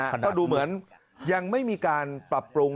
ก็ดูเหมือนยังไม่มีการปรับปรุง